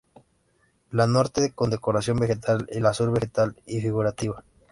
La norte con decoración vegetal y la sur, vegetal y figurativa.